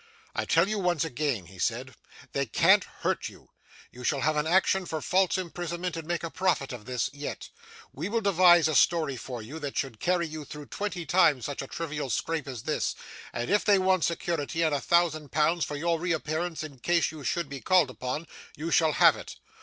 'I tell you, once again,' he said, 'they can't hurt you. You shall have an action for false imprisonment, and make a profit of this, yet. We will devise a story for you that should carry you through twenty times such a trivial scrape as this; and if they want security in a thousand pounds for your reappearance in case you should be called upon, you shall have it.